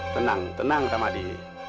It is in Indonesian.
tenang tenang ramadi